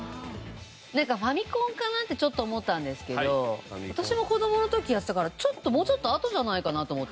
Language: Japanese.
なんかファミコンかなってちょっと思ったんですけど私も子供の時やってたからもうちょっとあとじゃないかなと思って。